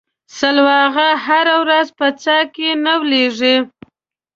سلواغه هره ورځ په څا کې نه ولېږي.